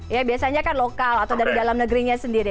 ya biasanya kan lokal atau dari dalam negerinya sendiri